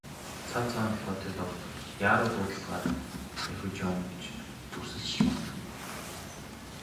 Цав цагаан толгойтой доктор яаруу дуудлагаар давхиж явна гэж дүрсэлж ч магадгүй.